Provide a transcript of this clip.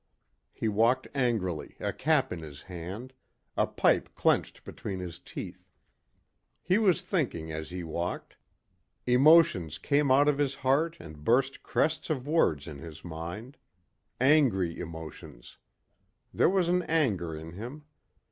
He walked angrily, a cap on his head, a pipe clenched between his teeth. He was thinking as he walked. Emotions came out of his heart and burst crests of words in his mind. Angry emotions. There was an anger in him.